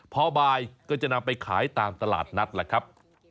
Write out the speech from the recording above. พอบ่ายก็จะนำไปขายตามตลาดนัดแหละครับ